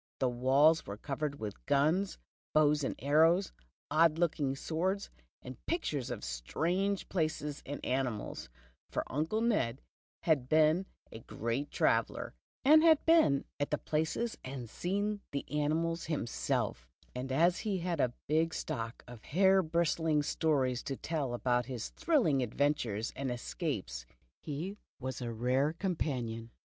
The walls were covered with guns, bows and arrows, odd looking swords, and pictures of strange places and animals, for Uncle Ned had been a great traveller, and had been at the places and seen the animals himself; 5 f'5 66 The Tio^er on the Hudson. and as he had a big stock of hair bristling stories to tell about his thrilling adventures and escapes, he was a rare companion.